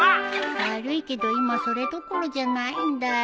悪いけど今それどころじゃないんだよ。